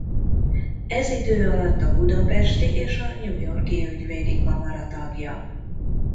Ez idő alatt a Budapesti és a New York-i Ügyvédi Kamara tagja.